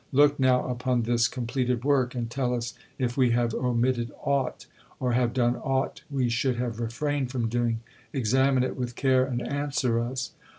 Look now upon this completed work, and tell us if we have omitted aught, or have done aught we should have refrained from doing, examine it with care and answer us."